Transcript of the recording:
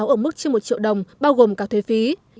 ở mức trên một triệu đồng bao gồm cả thuế phí